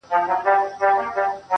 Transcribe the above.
چې کله ورته مینه د ښکلا څپه ښکاري